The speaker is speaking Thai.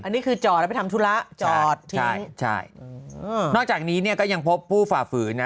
อันนี้คือจอดแล้วไปทำธุระจอดที่ใช่ใช่นอกจากนี้เนี่ยก็ยังพบผู้ฝ่าฝืนนะ